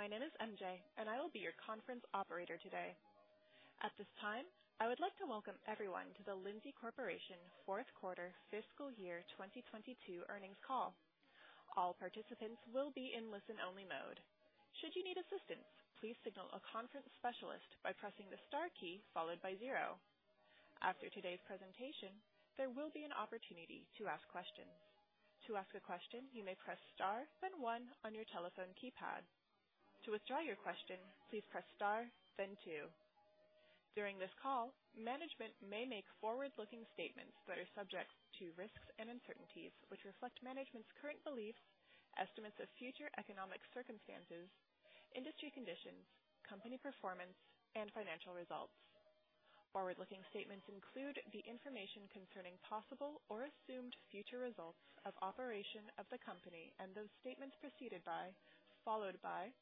Good morning. My name is MJ, and I will be your conference operator today. At this time, I would like to welcome everyone to the Lindsay Corporation Fourth Quarter Fiscal Year 2022 earnings call. All participants will be in listen-only mode. Should you need assistance, please signal a conference specialist by pressing the star key followed by zero. After today's presentation, there will be an opportunity to ask questions. To ask a question, you may press star then one on your telephone keypad. To withdraw your question, please press star then two. During this call, management may make forward-looking statements that are subject to risks and uncertainties which reflect management's current beliefs, estimates of future economic circumstances, industry conditions, company performance, and financial results. Forward-looking statements include the information concerning possible or assumed future results of operation of the company and those statements preceded by, followed by,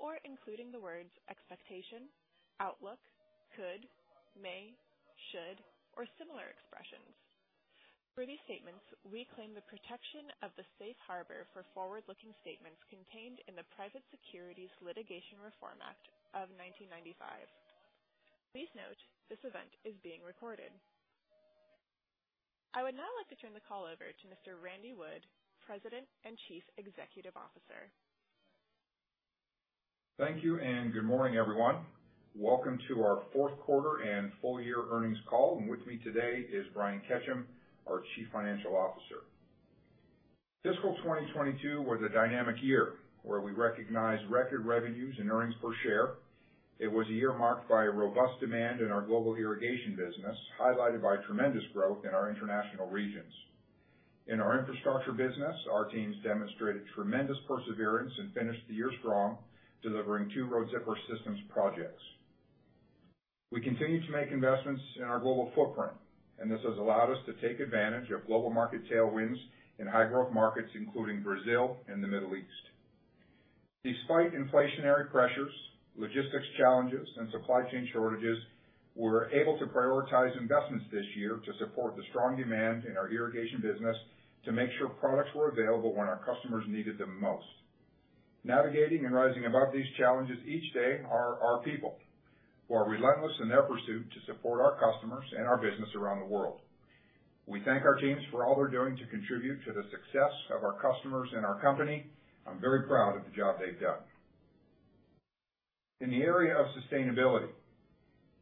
or including the words expectation, outlook, could, may, should, or similar expressions. For these statements, we claim the protection of the safe harbor for forward-looking statements contained in the Private Securities Litigation Reform Act of 1995. Please note this event is being recorded. I would now like to turn the call over to Mr. Randy Wood, President and Chief Executive Officer. Thank you and good morning, everyone. Welcome to our fourth quarter and full year earnings call. With me today is Brian Ketcham, our Chief Financial Officer. Fiscal 2022 was a dynamic year where we recognized record revenues and earnings per share. It was a year marked by a robust demand in our global irrigation business, highlighted by tremendous growth in our international regions. In our infrastructure business, our teams demonstrated tremendous perseverance and finished the year strong, delivering two Road Zipper systems projects. We continue to make investments in our global footprint, and this has allowed us to take advantage of global market tailwinds in high growth markets, including Brazil and the Middle East. Despite inflationary pressures, logistics challenges, and supply chain shortages, we're able to prioritize investments this year to support the strong demand in our irrigation business to make sure products were available when our customers needed them most. Navigating and rising above these challenges each day are our people who are relentless in their pursuit to support our customers and our business around the world. We thank our teams for all they're doing to contribute to the success of our customers and our company. I'm very proud of the job they've done. In the area of sustainability,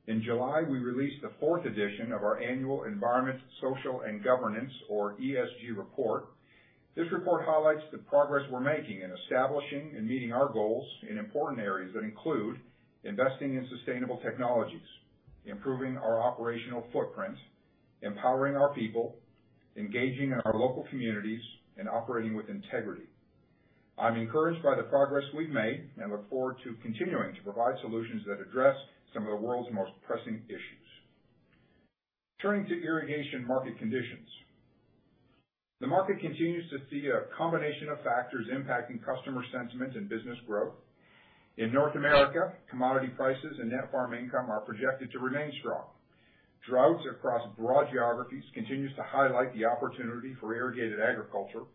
in July we released the fourth edition of our annual Environment, Social, and Governance, or ESG report. This report highlights the progress we're making in establishing and meeting our goals in important areas that include investing in sustainable technologies, improving our operational footprint, empowering our people, engaging in our local communities, and operating with integrity. I'm encouraged by the progress we've made and look forward to continuing to provide solutions that address some of the world's most pressing issues. Turning to irrigation market conditions. The market continues to see a combination of factors impacting customer sentiment and business growth. In North America, commodity prices and net farm income are projected to remain strong. Droughts across broad geographies continues to highlight the opportunity for irrigated agriculture,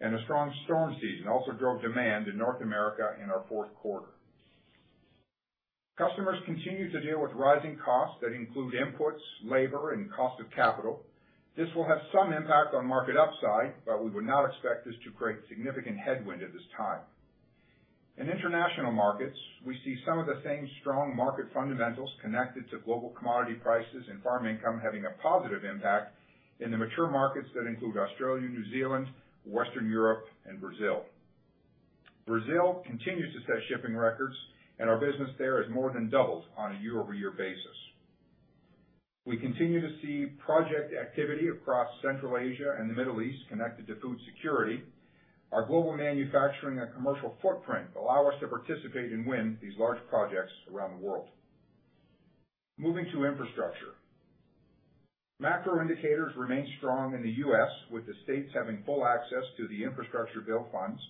and a strong storm season also drove demand in North America in our fourth quarter. Customers continue to deal with rising costs that include inputs, labor, and cost of capital. This will have some impact on market upside, but we would not expect this to create significant headwind at this time. In international markets, we see some of the same strong market fundamentals connected to global commodity prices and farm income having a positive impact in the mature markets that include Australia, New Zealand, Western Europe and Brazil. Brazil continues to set shipping records and our business there has more than doubled on a year-over-year basis. We continue to see project activity across Central Asia and the Middle East connected to food security. Our global manufacturing and commercial footprint allow us to participate and win these large projects around the world. Moving to infrastructure. Macro indicators remain strong in the U.S. with the states having full access to the infrastructure bill funds.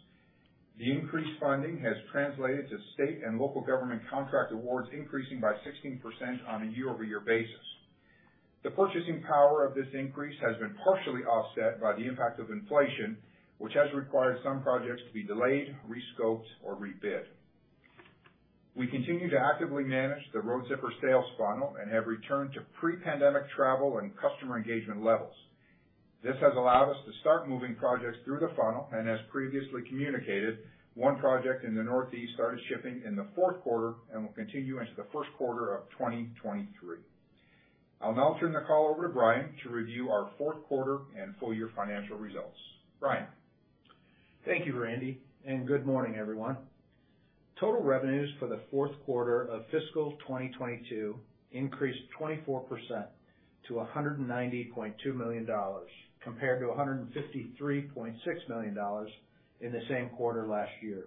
The increased funding has translated to state and local government contract awards increasing by 16% on a year-over-year basis. The purchasing power of this increase has been partially offset by the impact of inflation, which has required some projects to be delayed, rescoped or rebid. We continue to actively manage the Road Zipper sales funnel and have returned to pre-pandemic travel and customer engagement levels. This has allowed us to start moving projects through the funnel and as previously communicated, one project in the Northeast started shipping in the fourth quarter and will continue into the first quarter of 2023. I'll now turn the call over to Brian to review our fourth quarter and full year financial results. Brian? Thank you, Randy, and good morning everyone. Total revenues for the fourth quarter of fiscal 2022 increased 24% to $190.2 million compared to $153.6 million in the same quarter last year.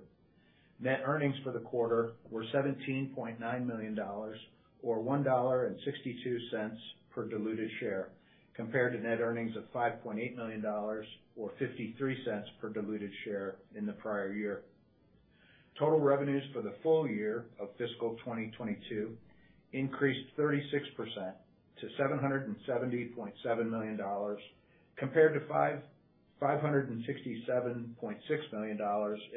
Net earnings for the quarter were $17.9 million or $1.62 per diluted share, compared to net earnings of $5.8 million or $0.53 per diluted share in the prior year. Total revenues for the full year of fiscal 2022 increased 36% to $770.7 million Compared to $567.6 million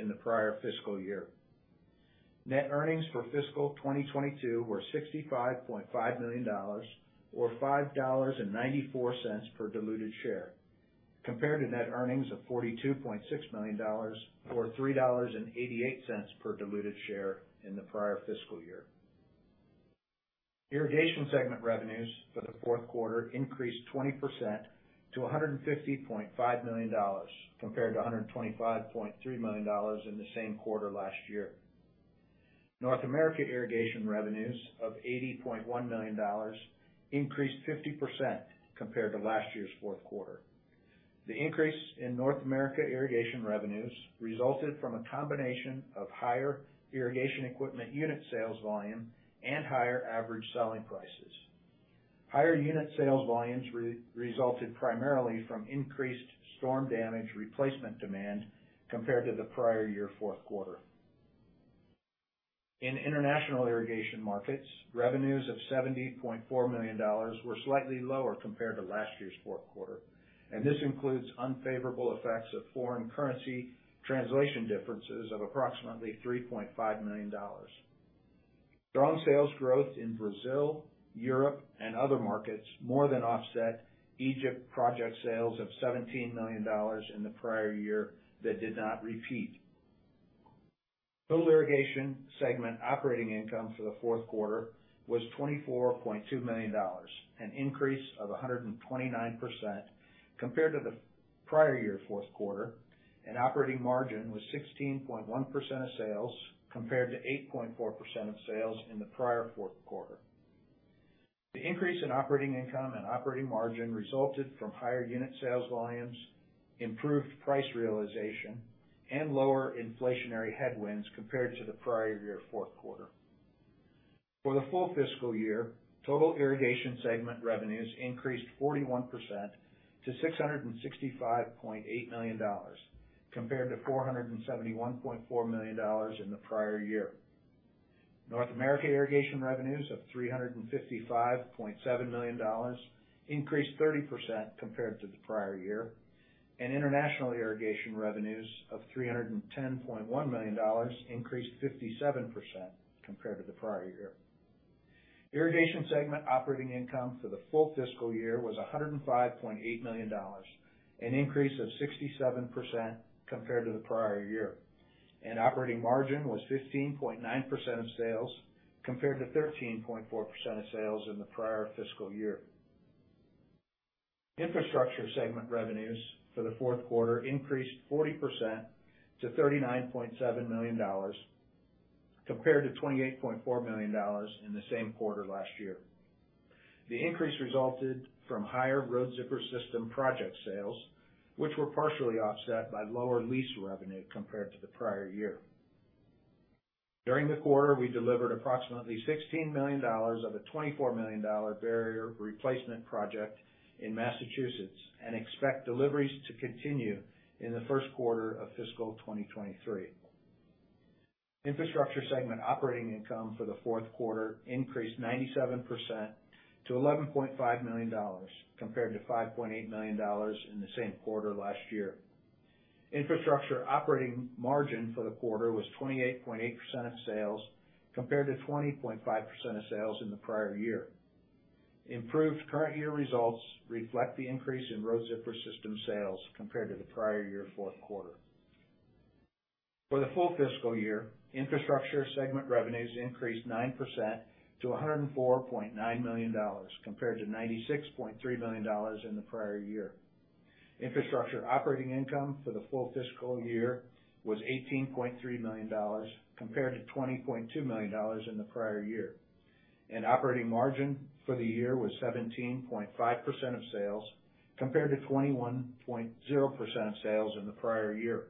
in the prior fiscal year. Net earnings for fiscal 2022 were $65.5 million, or $5.94 per diluted share, compared to net earnings of $42.6 million, or $3.88 per diluted share in the prior fiscal year. Irrigation segment revenues for the fourth quarter increased 20% to $150.5 million compared to $125.3 million in the same quarter last year. North America irrigation revenues of $80.1 million increased 50% compared to last year's fourth quarter. The increase in North America irrigation revenues resulted from a combination of higher irrigation equipment unit sales volume and higher average selling prices. Higher unit sales volumes resulted primarily from increased storm damage replacement demand compared to the prior year fourth quarter. In international irrigation markets, revenues of $70.4 million were slightly lower compared to last year's fourth quarter, and this includes unfavorable effects of foreign currency translation differences of approximately $3.5 million. Strong sales growth in Brazil, Europe, and other markets more than offset Egypt project sales of $17 million in the prior year that did not repeat. Total irrigation segment operating income for the fourth quarter was $24.2 million, an increase of 129% compared to the prior year fourth quarter, and operating margin was 16.1% of sales compared to 8.4% of sales in the prior fourth quarter. The increase in operating income and operating margin resulted from higher unit sales volumes, improved price realization, and lower inflationary headwinds compared to the prior year fourth quarter. For the full fiscal year, total irrigation segment revenues increased 41% to $665.8 million, compared to $471.4 million in the prior year. North America irrigation revenues of $355.7 million increased 30% compared to the prior year. International irrigation revenues of $310.1 million increased 57% compared to the prior year. Irrigation segment operating income for the full fiscal year was $105.8 million, an increase of 67% compared to the prior year. Operating margin was 15.9% of sales compared to 13.4% of sales in the prior fiscal year. Infrastructure segment revenues for the fourth quarter increased 40% to $39.7 million compared to $28.4 million in the same quarter last year. The increase resulted from higher Road Zipper system project sales, which were partially offset by lower lease revenue compared to the prior year. During the quarter, we delivered approximately $16 million of a $24 million barrier replacement project in Massachusetts and expect deliveries to continue in the first quarter of fiscal 2023. Infrastructure segment operating income for the fourth quarter increased 97% to $11.5 million compared to $5.8 million in the same quarter last year. Infrastructure operating margin for the quarter was 28.8% of sales compared to 20.5% of sales in the prior year. Improved current year results reflect the increase in Road Zipper system sales compared to the prior year fourth quarter. For the full fiscal year, infrastructure segment revenues increased 9% to $104.9 million, compared to $96.3 million in the prior year. Infrastructure operating income for the full fiscal year was $18.3 million compared to $20.2 million in the prior year. Operating margin for the year was 17.5% of sales compared to 21.0% of sales in the prior year.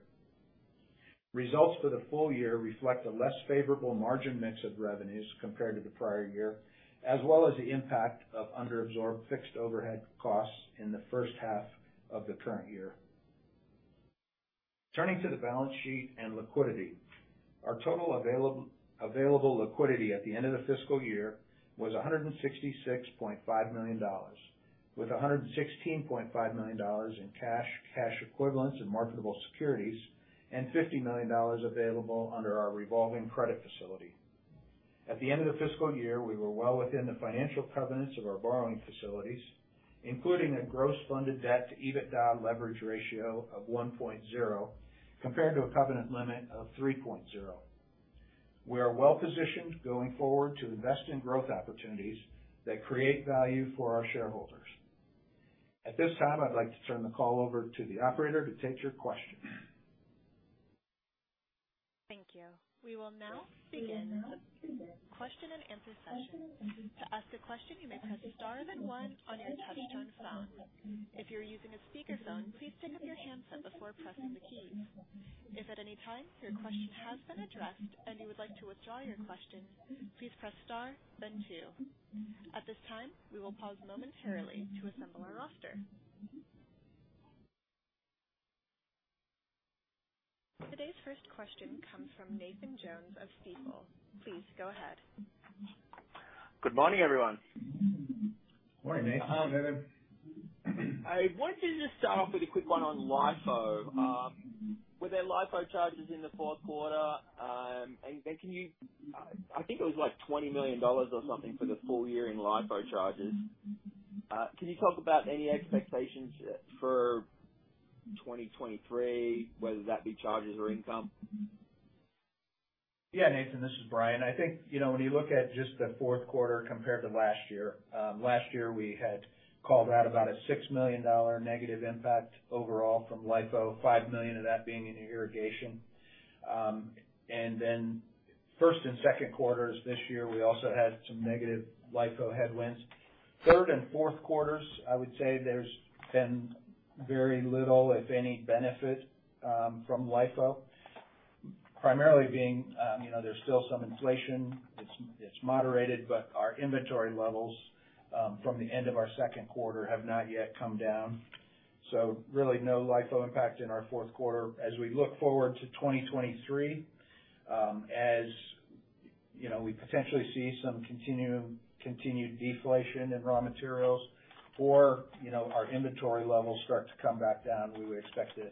Results for the full year reflect a less favorable margin mix of revenues compared to the prior year, as well as the impact of under-absorbed fixed overhead costs in the first half of the current year. Turning to the balance sheet and liquidity. Our total available liquidity at the end of the fiscal year was $166.5 million, with $116.5 million in cash equivalents, and marketable securities, and $50 million available under our revolving credit facility. At the end of the fiscal year, we were well within the financial covenants of our borrowing facilities, including a gross funded Debt-to-EBITDA leverage ratio of 1.0 compared to a covenant limit of 3.0. We are well positioned going forward to invest in growth opportunities that create value for our shareholders. At this time, I'd like to turn the call over to the operator to take your questions. Thank you. We will now begin the question-and-answer session. To ask a question, you may press star then one on your touch-tone phone. If you're using a speakerphone, please pick up your handset before pressing the keys. If at any time your question has been addressed and you would like to withdraw your question, please press star then two. At this time, we will pause momentarily to assemble our roster. Today's first question comes from Nathan Jones of Stifel. Please go ahead. Good morning, everyone. Morning, Nathan. Hi, Nathan. I wanted to just start off with a quick one on LIFO. Were there LIFO charges in the fourth quarter? I think it was, like, $20 million or something for the full year in LIFO charges. Can you talk about any expectations for 2023, whether that be charges or income? Yeah, Nathan, this is Brian. I think, you know, when you look at just the fourth quarter compared to last year, last year we had called out about a $6 million negative impact overall from LIFO, $5 million of that being in irrigation. Then first and second quarters this year, we also had some negative LIFO headwinds. Third and fourth quarters, I would say there's been very little, if any, benefit from LIFO. Primarily being, you know, there's still some inflation. It's moderated, but our inventory levels from the end of our second quarter have not yet come down. Really no LIFO impact in our fourth quarter. As we look forward to 2023, you know, we potentially see some continued deflation in raw materials or, you know, our inventory levels start to come back down, we would expect to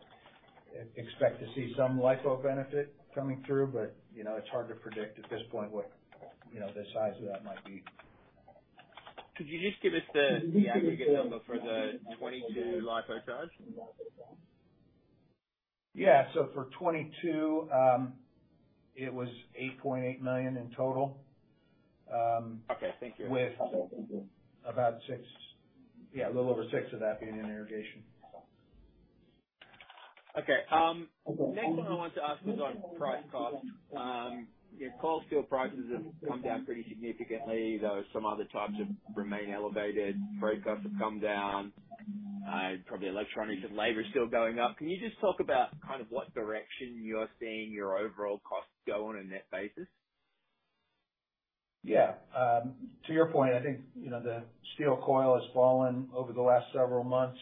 see some LIFO benefit coming through, but, you know, it's hard to predict at this point what, you know, the size of that might be. Could you just give us the aggregate number for the 2022 LIFO charge? For 2022, it was $8.8 million in total. Okay. Thank you. A little over six of that being in irrigation. Okay. Next one I wanted to ask was on price costs. You know, cold steel prices have come down pretty significantly, though some other types have remained elevated. Freight costs have come down. Probably electronics and labor still going up. Can you just talk about kind of what direction you're seeing your overall costs go on a net basis? Yeah. To your point, I think, you know, the steel coil has fallen over the last several months.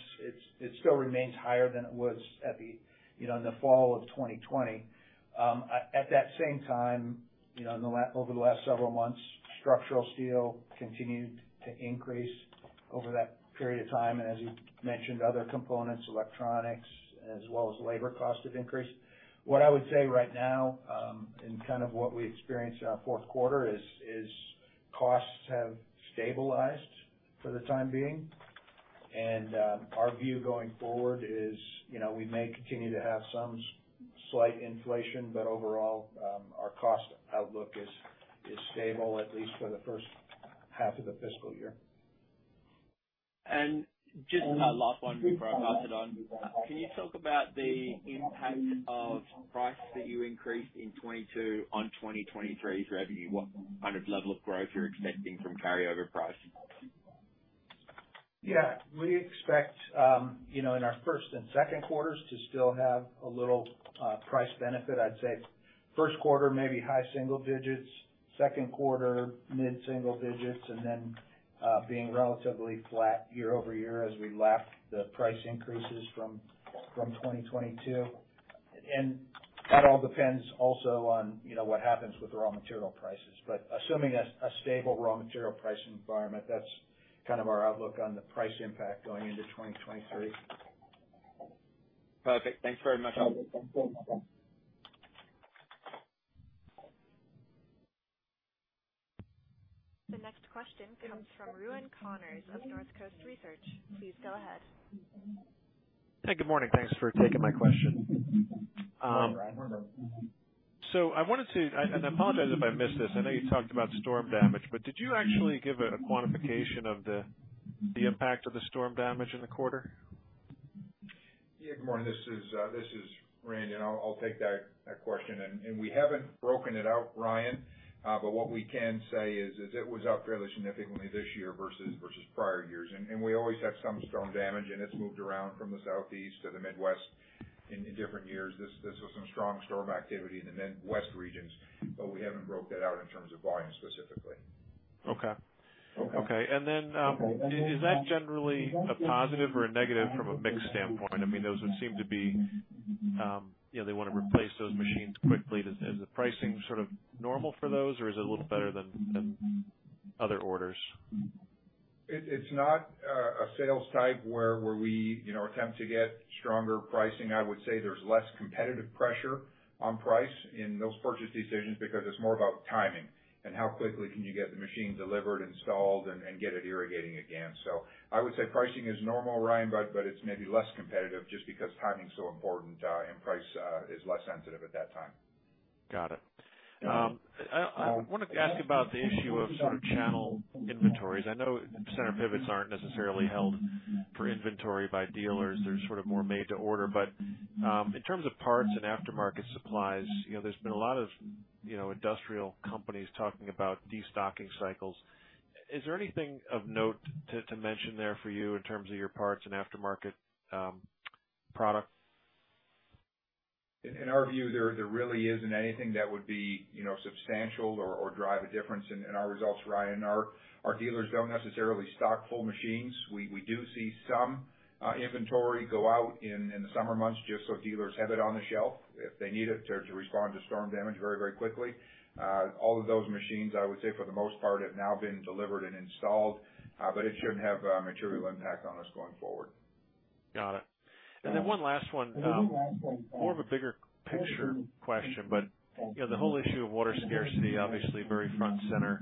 It still remains higher than it was at the, you know, in the fall of 2020. At that same time, you know, over the last several months, structural steel continued to increase over that period of time. As you mentioned, other components, electronics as well as labor costs have increased. What I would say right now, in kind of what we experienced in our fourth quarter is costs have stabilized for the time being. Our view going forward is, you know, we may continue to have some slight inflation, but overall, our cost outlook is stable, at least for the first half of the fiscal year. Just a last one before I pass it on. Can you talk about the impact of prices that you increased in 2022 on 2023's revenue, what kind of level of growth you're expecting from carryover pricing? Yeah. We expect, you know, in our first and second quarters to still have a little price benefit. I'd say first quarter, maybe high single digits, second quarter, mid-single digits, and then being relatively flat year-over-year as we lap the price increases from 2022. That all depends also on, you know, what happens with raw material prices. Assuming a stable raw material pricing environment, that's kind of our outlook on the price impact going into 2023. Perfect. Thanks very much. The next question comes from Ryan Connors of Northcoast Research. Please go ahead. Hey, good morning. Thanks for taking my question. I apologize if I missed this. I know you talked about storm damage, but did you actually give a quantification of the impact of the storm damage in the quarter? Yeah. Good morning. This is Randy, and I'll take that question. We haven't broken it out, Ryan, but what we can say is it was up fairly significantly this year versus prior years. We always have some storm damage, and it's moved around from the Southeast to the Midwest in different years. This was some strong storm activity in the Midwest regions, but we haven't broke that out in terms of volume specifically. Okay. Okay. Okay. Is that generally a positive or a negative from a mix standpoint? I mean, those would seem to be. You know, they wanna replace those machines quickly. Is the pricing sort of normal for those or is it a little better than other orders? It's not a sales type where we, you know, attempt to get stronger pricing. I would say there's less competitive pressure on price in those purchase decisions because it's more about timing and how quickly can you get the machine delivered, installed and get it irrigating again. I would say pricing is normal, Ryan, but it's maybe less competitive just because timing's so important and price is less sensitive at that time. Got it. I wanted to ask about the issue of sort of channel inventories. I know center pivots aren't necessarily held for inventory by dealers. They're sort of more made to order. But in terms of parts and aftermarket supplies, you know, there's been a lot of, you know, industrial companies talking about destocking cycles. Is there anything of note to mention there for you in terms of your parts and aftermarket product? In our view, there really isn't anything that would be, you know, substantial or drive a difference in our results, Ryan. Our dealers don't necessarily stock full machines. We do see some inventory go out in the summer months just so dealers have it on the shelf if they need it to respond to storm damage very quickly. All of those machines, I would say, for the most part, have now been delivered and installed, but it shouldn't have a material impact on us going forward. Got it. One last one. More of a bigger picture question, but, you know, the whole issue of water scarcity, obviously very front and center.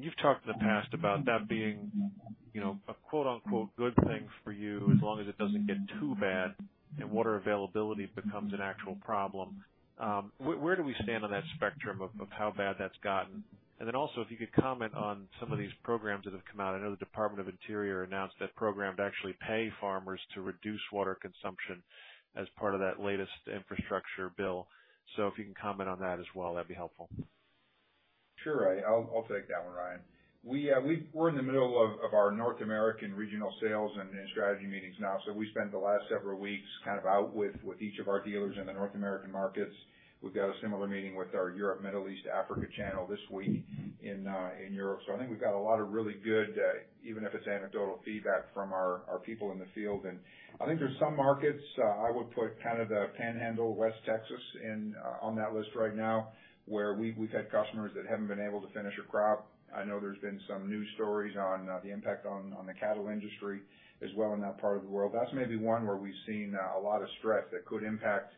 You've talked in the past about that being, you know, a quote, unquote, "good thing" for you as long as it doesn't get too bad and water availability becomes an actual problem. Where do we stand on that spectrum of how bad that's gotten? Also, if you could comment on some of these programs that have come out. I know the U.S. Department of the Interior announced that program to actually pay farmers to reduce water consumption as part of that latest infrastructure bill. If you can comment on that as well, that'd be helpful. Sure. I'll take that one, Ryan. We're in the middle of our North American regional sales and strategy meetings now. We spent the last several weeks kind of out with each of our dealers in the North American markets. We've got a similar meeting with our Europe, Middle East, Africa channel this week in Europe. I think we've got a lot of really good even if it's anecdotal feedback from our people in the field. I think there's some markets I would put kind of the Panhandle, West Texas in on that list right now, where we've had customers that haven't been able to finish a crop. I know there's been some news stories on the impact on the cattle industry as well in that part of the world. That's maybe one where we've seen a lot of stress that could impact,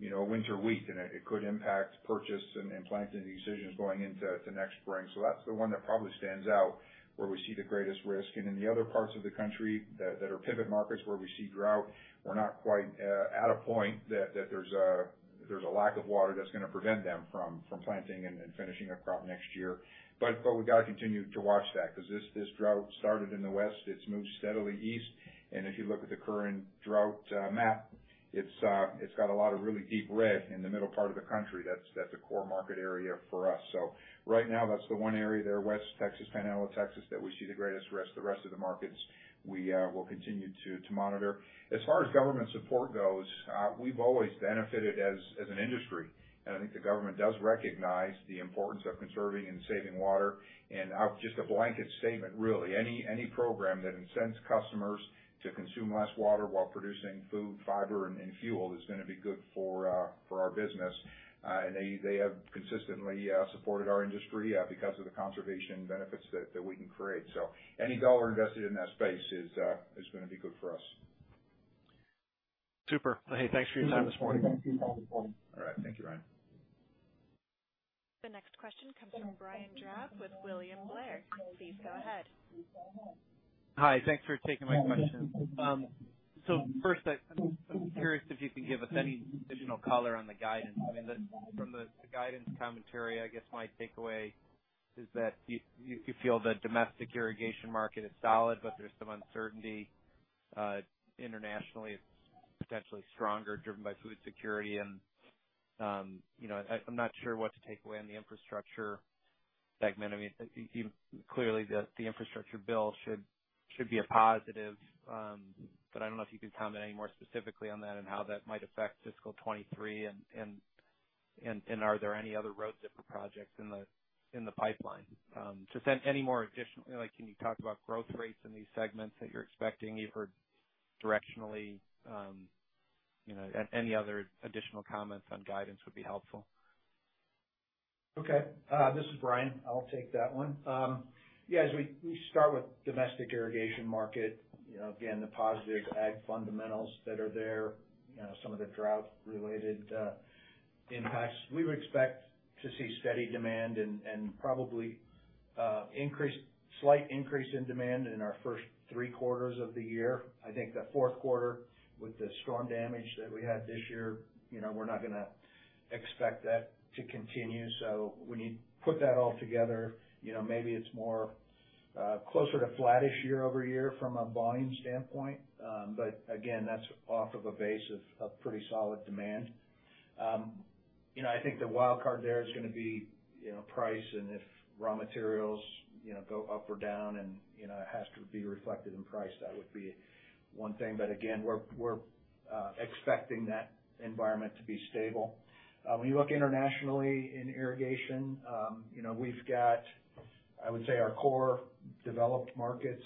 you know, winter wheat, and it could impact purchase and planting decisions going into next spring. That's the one that probably stands out, where we see the greatest risk. In the other parts of the country that are pivot markets where we see drought, we're not quite at a point that there's a lack of water that's gonna prevent them from planting and finishing a crop next year. We've gotta continue to watch that 'cause this drought started in the west. It's moved steadily east. If you look at the current drought map, it's got a lot of really deep red in the middle part of the country. That's a core market area for us. Right now, that's the one area there, West Texas, Panhandle Texas, that we see the greatest risk. The rest of the markets, we will continue to monitor. As far as government support goes, we've always benefited as an industry, and I think the government does recognize the importance of conserving and saving water. Just a blanket statement really, any program that incents customers to consume less water while producing food, fiber, and fuel is gonna be good for our business. They have consistently supported our industry because of the conservation benefits that we can create. Any dollar invested in that space is gonna be good for us. Super. Hey, thanks for your time this morning. All right. Thank you, Ryan. The next question comes from Brian Drab with William Blair. Please go ahead. Hi. Thanks for taking my question. So first, I'm curious if you can give us any additional color on the guidance. I mean, from the guidance commentary, I guess my takeaway is that you feel the domestic irrigation market is solid, but there's some uncertainty internationally. It's potentially stronger, driven by food security. You know, I'm not sure what to take away on the infrastructure segment. I mean, clearly the infrastructure bill should be a positive. But I don't know if you could comment any more specifically on that and how that might affect fiscal 2023, and are there any other Road Zipper projects in the pipeline? Just any more additional. Like, can you talk about growth rates in these segments that you're expecting even directionally, you know. Any other additional comments on guidance would be helpful. Okay. This is Brian. I'll take that one. Yeah, we start with domestic irrigation market. You know, again, the positive ag fundamentals that are there, you know, some of the drought-related impacts. We would expect to see steady demand and probably slight increase in demand in our first three quarters of the year. I think the fourth quarter, with the storm damage that we had this year, you know, we're not gonna expect that to continue. So when you put that all together, you know, maybe it's more closer to flattish year-over-year from a volume standpoint. Again, that's off of a base of pretty solid demand. You know, I think the wild card there is gonna be, you know, price and if raw materials, you know, go up or down and, you know, it has to be reflected in price. That would be one thing. Again, we're expecting that environment to be stable. When you look internationally in irrigation, you know, we've got I would say our core developed markets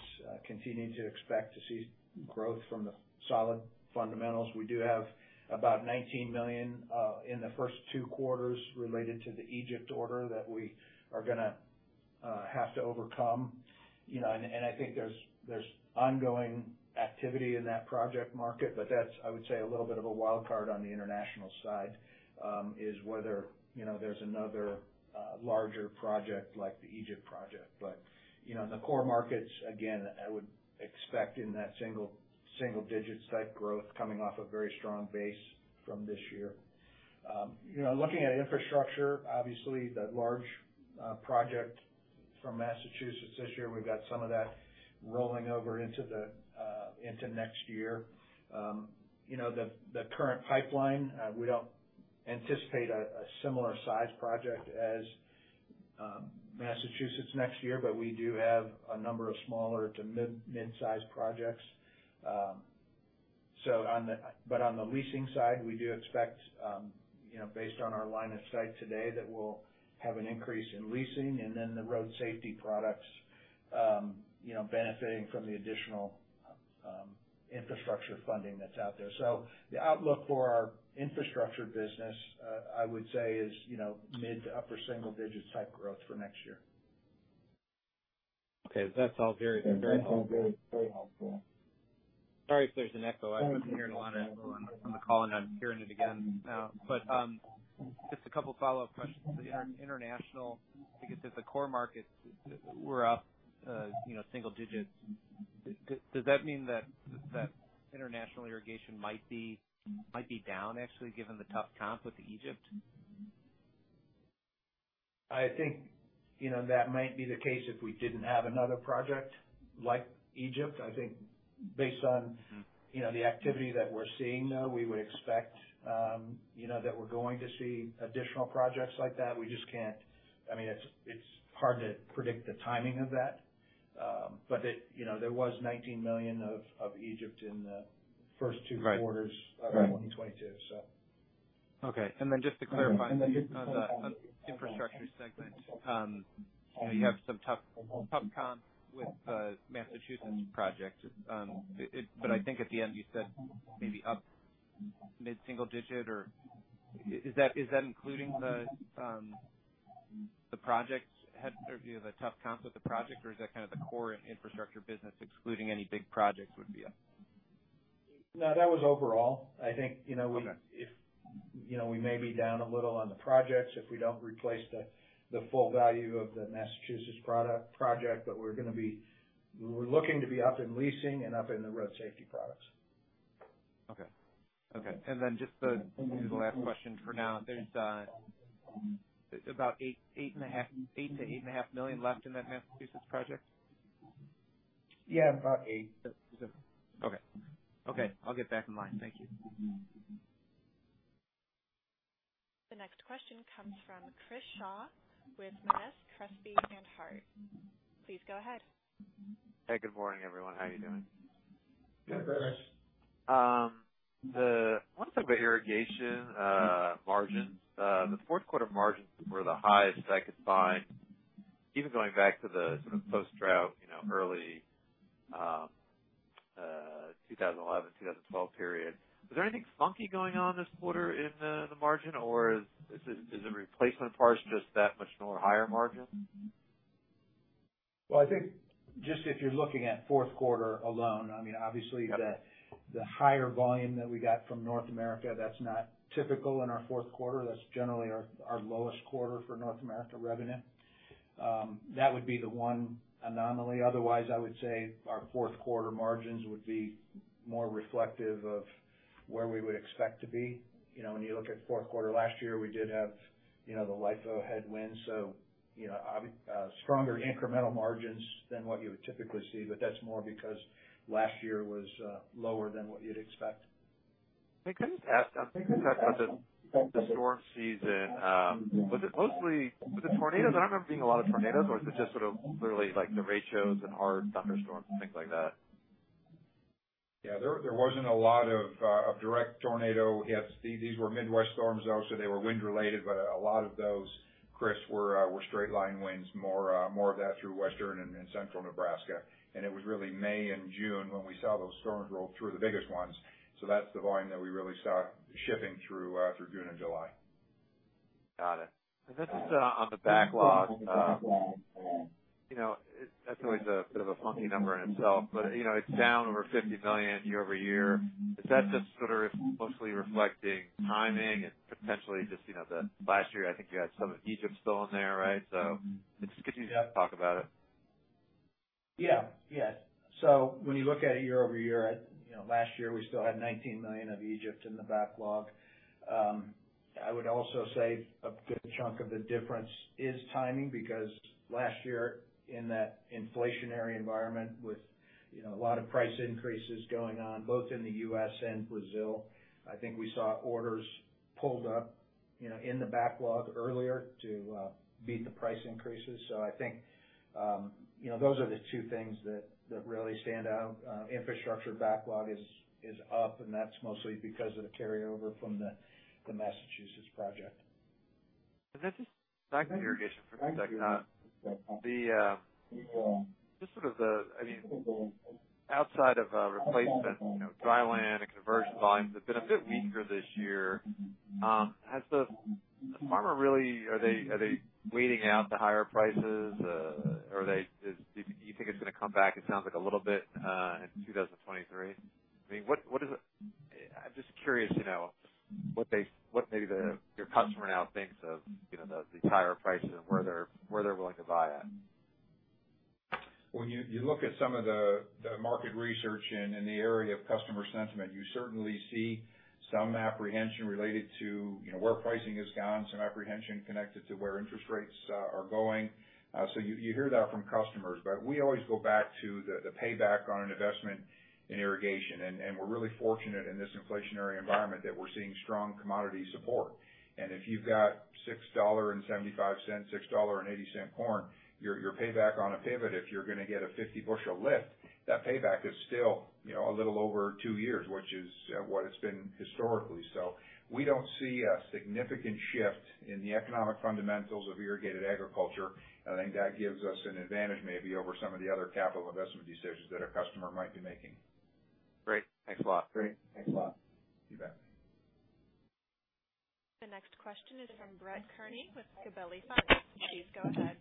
continue to expect to see growth from the solid fundamentals. We do have about $19 million in the first two quarters related to the Egypt order that we are gonna have to overcome. You know, I think there's ongoing activity in that project market, but that's, I would say, a little bit of a wild card on the international side, is whether, you know, there's another larger project like the Egypt project. You know, in the core markets, again, I would expect in that single digit type growth coming off a very strong base from this year. You know, looking at infrastructure, obviously the large project from Massachusetts this year, we've got some of that rolling over into the into next year. You know, the current pipeline, we don't anticipate a similar size project as Massachusetts next year, but we do have a number of smaller to mid-size projects. But on the leasing side, we do expect, you know, based on our line of sight today, that we'll have an increase in leasing and then the road safety products, you know, benefiting from the additional infrastructure funding that's out there. The outlook for our infrastructure business, I would say is, you know, mid to upper single digits type growth for next year. Okay. That's all very, very helpful. Sorry if there's an echo. I've been hearing a lot of echo on the call, and I'm hearing it again now. Just a couple follow-up questions. The international, I guess if the core markets were up, you know, single digits, does that mean that international irrigation might be down actually given the tough comp with Egypt? I think, you know, that might be the case if we didn't have another project like Egypt. I think based on Mm. You know, the activity that we're seeing, though, we would expect, you know, that we're going to see additional projects like that. We just can't. I mean, it's hard to predict the timing of that. It, you know, there was $19 million of Egypt in the first two- Right. -quarters- Right. of 2022. Okay. Just to clarify on the infrastructure segment, you know, you have some tough comps with the Massachusetts project. But I think at the end, you said maybe up mid-single digit, or is that including the project? How do you view the tough comps with the project or is that kind of the core infrastructure business excluding any big projects would be up? No, that was overall. I think, you know, we Okay. You know, we may be down a little on the projects if we don't replace the full value of the Massachusetts project, but we're gonna be, we're looking to be up in leasing and up in the road safety products. Okay. Just the, maybe the last question for now. There's about $8 million-$8.5 million left in that Massachusetts project? Yeah, about eight. Okay. Okay, I'll get back in line. Thank you. The next question comes from Chris Shaw with Monness Crespi & Hard. Please go ahead. Hey, good morning, everyone. How are you doing? Yeah. Good. Want to talk about irrigation margins. The fourth quarter margins were the highest I could find, even going back to the sort of post-drought, you know, early 2011, 2012 period. Was there anything funky going on this quarter in the margin, or is it replacement parts just that much more higher margin? Well, I think just if you're looking at fourth quarter alone, I mean, obviously. Yep. The higher volume that we got from North America, that's not typical in our fourth quarter. That's generally our lowest quarter for North America revenue. That would be the one anomaly. Otherwise, I would say our fourth quarter margins would be more reflective of where we would expect to be. You know, when you look at fourth quarter last year, we did have, you know, the LIFO headwind, so, you know, stronger incremental margins than what you would typically see. But that's more because last year was lower than what you'd expect. Hey, can I just ask, you talked about the storm season. Was it mostly tornadoes? I don't remember seeing a lot of tornadoes or was it just sort of clearly like derechos and hard thunderstorms and things like that? Yeah, there wasn't a lot of direct tornado hits. These were Midwest storms, though, so they were wind related. A lot of those, Chris, were straight-line winds, more of that through Western and Central Nebraska. It was really May and June when we saw those storms roll through, the biggest ones. That's the volume that we really saw shifting through June and July. Got it. This is on the backlog. You know, that's always a bit of a funky number in itself, but you know, it's down over $50 million year-over-year. Is that just sort of mostly reflecting timing and potentially just, you know, the last year, I think you had some of Egypt still in there, right? Just could you- Yeah. Talk about it? When you look at it year over year, you know, last year, we still had $19 million of Egypt in the backlog. I would also say a good chunk of the difference is timing, because last year in that inflationary environment with, you know, a lot of price increases going on both in the U.S. and Brazil, I think we saw orders pulled up, you know, in the backlog earlier to beat the price increases. I think, you know, those are the two things that really stand out. Infrastructure backlog is up, and that's mostly because of the carryover from the Massachusetts project. This is back to irrigation for a second. Just sort of, I mean, outside of replacement, you know, dry land and conversion volumes have been a bit weaker this year. Has the farmer really, are they waiting out the higher prices? Do you think it's gonna come back, it sounds like a little bit in 2023? I mean, what is it? I'm just curious to know what they, maybe your customer now thinks of, you know, these higher prices and where they're willing to buy at. When you look at some of the market research in the area of customer sentiment, you certainly see some apprehension related to, you know, where pricing has gone, some apprehension connected to where interest rates are going. You hear that from customers. We always go back to the payback on an investment in irrigation. We're really fortunate in this inflationary environment that we're seeing strong commodity support. If you've got $6.75, $6.80 corn, your payback on a pivot, if you're gonna get a 50-bushel lift, that payback is still, you know, a little over two years, which is what it's been historically. We don't see a significant shift in the economic fundamentals of irrigated agriculture. I think that gives us an advantage maybe over some of the other capital investment decisions that a customer might be making. Great. Thanks a lot. Great. Thanks a lot. You bet. The next question is from Brett Kearney with Gabelli Funds. Please go ahead.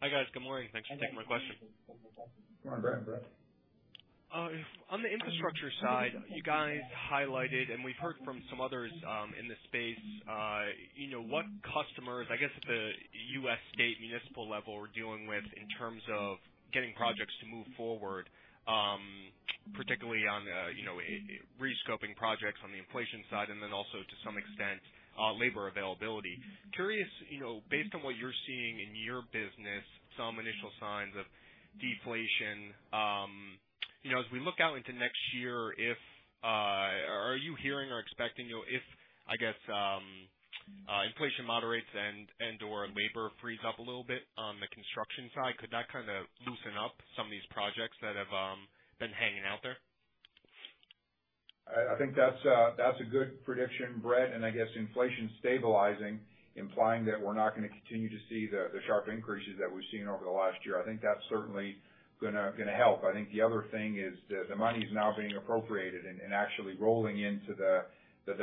Hi, guys. Good morning. Thanks for taking my question. Good morning, Brett. On the infrastructure side, you guys highlighted, and we've heard from some others, in this space, you know, what customers, I guess, the U.S. state municipal level are dealing with in terms of getting projects to move forward, particularly on, you know, re-scoping projects on the inflation side and then also, to some extent, labor availability. Curious, you know, based on what you're seeing in your business, some initial signs of deflation, you know, as we look out into next year, if... Are you hearing or expecting, you know, if, I guess, inflation moderates and/or labor frees up a little bit on the construction side, could that kinda loosen up some of these projects that have, been hanging out there? I think that's a good prediction, Brett, and I guess inflation stabilizing, implying that we're not gonna continue to see the sharp increases that we've seen over the last year. I think that's certainly gonna help. I think the other thing is the money's now being appropriated and actually rolling into the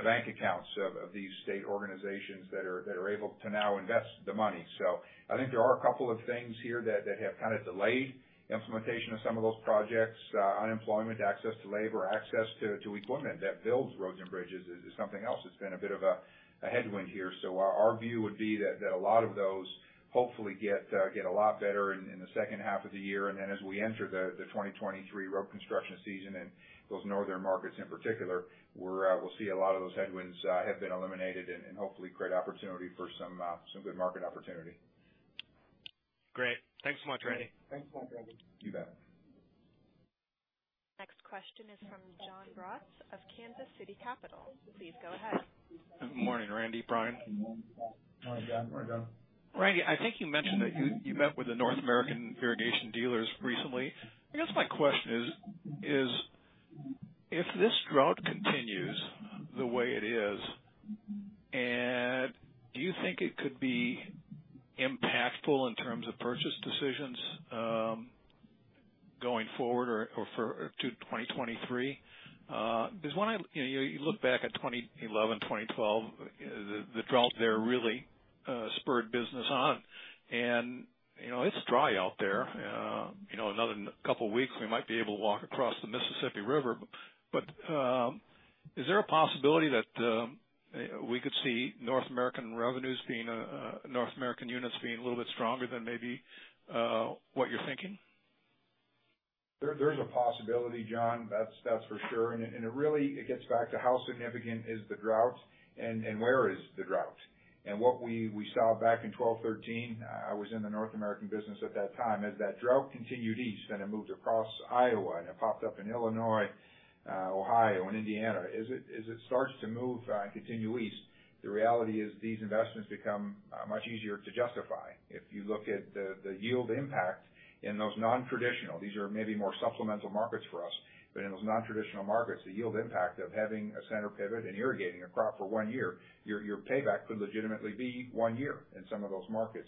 bank accounts of these state organizations that are able to now invest the money. I think there are a couple of things here that have kind of delayed implementation of some of those projects. Unemployment, access to labor, access to equipment that builds roads and bridges is something else that's been a bit of a headwind here. Our view would be that a lot of those hopefully get a lot better in the second half of the year. As we enter the 2023 road construction season in those northern markets in particular, we'll see a lot of those headwinds have been eliminated and hopefully create opportunity for some good market opportunity. Great. Thanks so much, Randy. You bet. Next question is from John Braatz of Kansas City Capital. Please go ahead. Good morning, Randy. Brian. Morning, John. Randy, I think you mentioned that you met with the North American irrigation dealers recently. I guess my question is if this drought continues the way it is, and do you think it could be impactful in terms of purchase decisions going forward or for 2023? 'Cause when I you know, you look back at 2011, 2012, the drought there really spurred business on. You know, it's dry out there. You know, another couple weeks, we might be able to walk across the Mississippi River, but is there a possibility that we could see North American revenues being North American units being a little bit stronger than maybe what you're thinking? There is a possibility, John. That's for sure. It really gets back to how significant is the drought and where is the drought. What we saw back in 2012, 2013, I was in the North American business at that time, as that drought continued east and it moved across Iowa, and it popped up in Illinois, Ohio and Indiana, as it starts to move and continue east, the reality is these investments become much easier to justify. If you look at the yield impact in those non-traditional, these are maybe more supplemental markets for us, but in those non-traditional markets, the yield impact of having a center pivot and irrigating a crop for one year, your payback could legitimately be one year in some of those markets.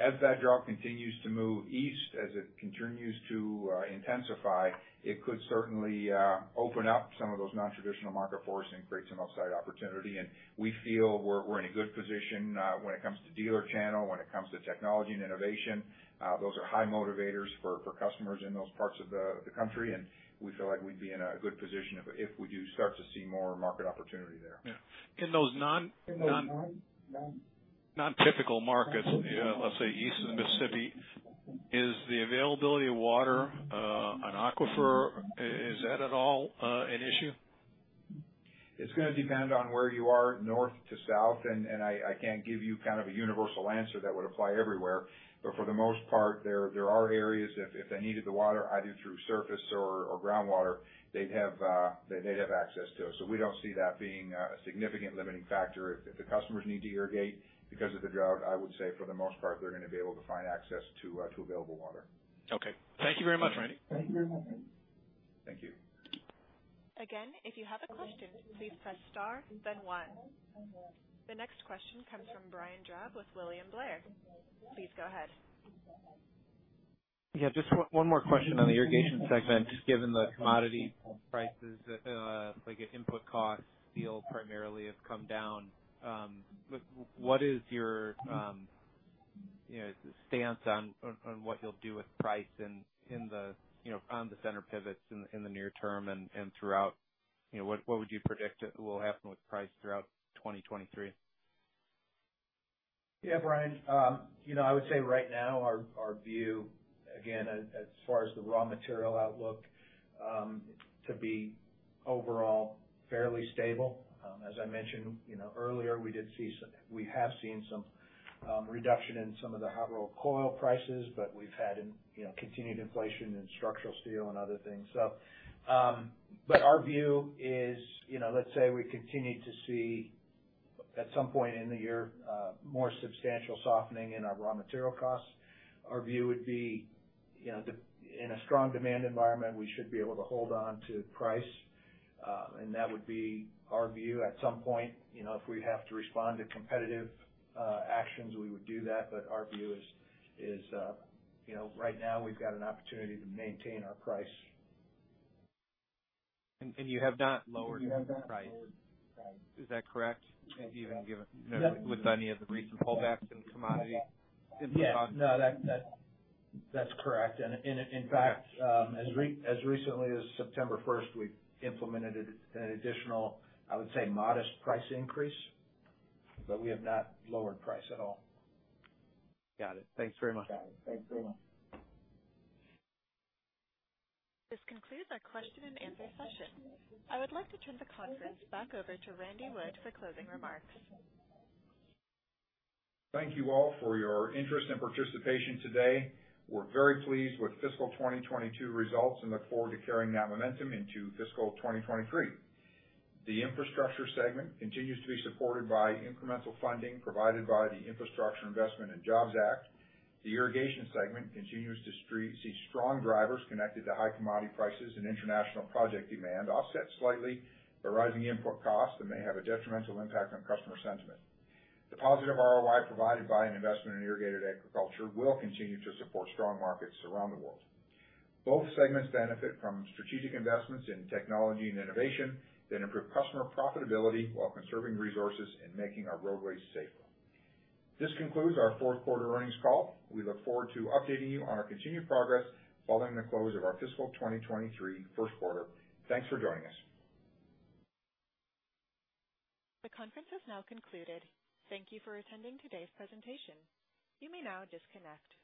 As that drought continues to move east, as it continues to intensify, it could certainly open up some of those non-traditional market for us and create some outside opportunity. We feel we're in a good position when it comes to dealer channel, when it comes to technology and innovation. Those are high motivators for customers in those parts of the country, and we feel like we'd be in a good position if we do start to see more market opportunity there. Yeah. In those non- In those non- Non-typical markets, let's say east of the Mississippi, is the availability of water, an aquifer, is that at all an issue? It's gonna depend on where you are north to south, and I can't give you kind of a universal answer that would apply everywhere. For the most part, there are areas if they needed the water, either through surface or groundwater, they may have access to it. We don't see that being a significant limiting factor. If the customers need to irrigate because of the drought, I would say for the most part, they're gonna be able to find access to available water. Okay. Thank you very much, Randy. Thank you. Again, if you have a question, please press star then one. The next question comes from Brian Drab with William Blair. Please go ahead. Yeah, just one more question on the irrigation segment, given the commodity prices, like input costs feel primarily have come down, what is your, you know, stance on what you'll do with price in the, you know, on the center pivots in the near term and throughout? You know, what would you predict will happen with price throughout 2023? Yeah, Brian, you know, I would say right now our view, again, as far as the raw material outlook, to be overall fairly stable. As I mentioned, you know, earlier, we have seen some reduction in some of the hot-rolled coil prices, but we've had, you know, continued inflation in structural steel and other things. But our view is, you know, let's say we continue to see at some point in the year, more substantial softening in our raw material costs. Our view would be, you know, in a strong demand environment, we should be able to hold on to price. That would be our view. At some point, you know, if we have to respond to competitive actions, we would do that. Our view is, you know, right now we've got an opportunity to maintain our price. You have not lowered price. Is that correct? Even given, you know, with any of the recent pullbacks in commodity input costs? Yeah. No, that's correct. In fact, as recently as September 1st, we've implemented an additional, I would say, modest price increase, but we have not lowered price at all. Got it. Thanks very much. Got it. Thanks very much. This concludes our question and answer session. I would like to turn the conference back over to Randy Wood for closing remarks. Thank you all for your interest and participation today. We're very pleased with fiscal 2022 results and look forward to carrying that momentum into fiscal 2023. The infrastructure segment continues to be supported by incremental funding provided by the Infrastructure Investment and Jobs Act. The irrigation segment continues to see strong drivers connected to high commodity prices and international project demand, offset slightly by rising input costs that may have a detrimental impact on customer sentiment. The positive ROI provided by an investment in irrigated agriculture will continue to support strong markets around the world. Both segments benefit from strategic investments in technology and innovation that improve customer profitability while conserving resources and making our roadways safer. This concludes our fourth quarter earnings call. We look forward to updating you on our continued progress following the close of our fiscal 2023 first quarter. Thanks for joining us. The conference has now concluded. Thank you for attending today's presentation. You may now disconnect.